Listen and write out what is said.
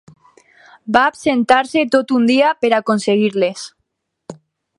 Va absentar-se tot un dia per aconseguir-les.